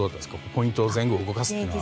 ポイントを前後に動かすというのは。